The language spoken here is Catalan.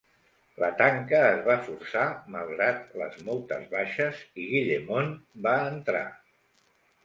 La tanca es va forçar, malgrat les moltes baixes, i Guillemont va entrar.